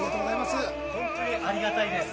本当にありがたいです。